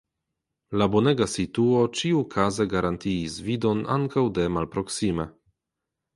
La bonega situo ĉiukaze garantiis vidon ankaŭ de malproksime.